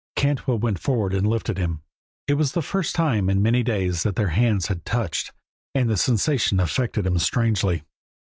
Cantwell went forward and lifted him. It was the first time in many days that their hands had touched, and the sensation affected him strangely.